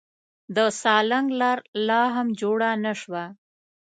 د سالنګ لار لا هم جوړه نه شوه.